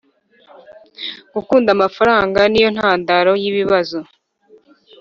Gukunda amafaranga ni yo ntandaro yibibazo